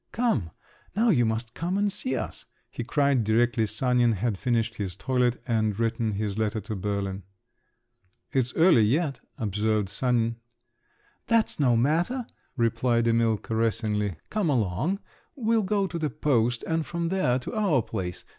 "Come! now you must come and see us!" he cried, directly Sanin had finished his toilet and written his letter to Berlin. "It's early yet," observed Sanin. "That's no matter," replied Emil caressingly. "Come along! We'll go to the post—and from there to our place.